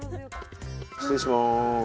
失礼します。